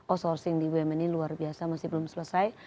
outsourcing di bumn ini luar biasa masih belum selesai